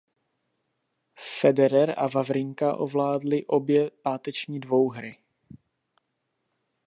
Federer a Wawrinka zvládli obě páteční dvouhry.